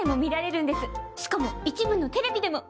しかも一部のテレビでも。